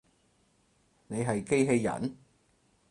你係機器人？